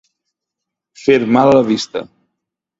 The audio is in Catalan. Fer mal a la vista.